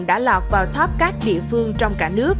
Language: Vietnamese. đã lọt vào top các địa phương trong cả nước